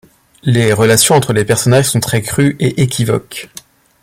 Les relations entre les personnages sont très crues et équivoques.